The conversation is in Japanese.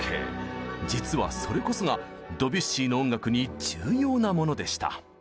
実はそれこそがドビュッシーの音楽に重要なものでした。